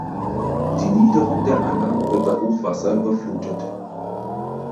Die Niederung der Aller wird bei Hochwasser überflutet.